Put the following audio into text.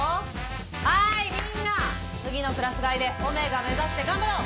はいみんな次のクラス替えでΩ目指して頑張ろう！